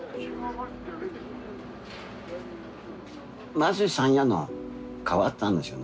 まず山谷が変わったんですよね。